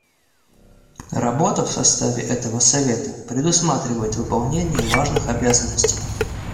Работа в составе этого Совета предусматривает выполнение важных обязанностей.